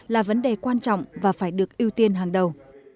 là vấn đề quan trọng và phải được ưu tiên hàng đầu